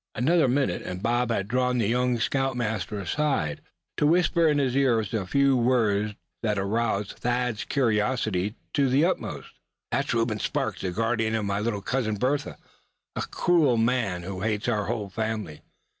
Another minute, and Bob had drawn the young scoutmaster aside, to whisper in his ear a few words that aroused Thad's curiosity to the utmost. "That is Reuben Sparks, the guardian of my little cousin Bertha, a cruel man, who hates our whole family.